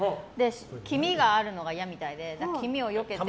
黄身があるのが嫌みたいで黄身をよけて。